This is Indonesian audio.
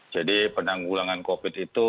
jadi penanggulangan covid itu